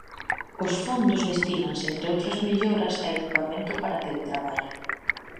Os fondos destínanse, entre outras melloras, a equipamento para teletraballo.